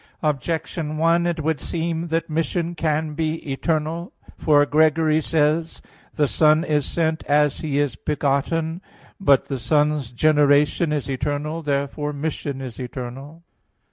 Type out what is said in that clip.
Objection 1: It would seem that mission can be eternal. For Gregory says (Hom. xxvi, in Ev.), "The Son is sent as He is begotten." But the Son's generation is eternal. Therefore mission is eternal.